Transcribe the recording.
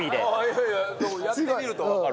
いやいややってみるとわかるわ。